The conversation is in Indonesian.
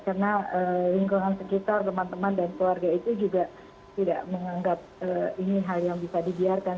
karena lingkungan sekitar teman teman dan keluarga itu juga tidak menganggap ini hal yang bisa dibiarkan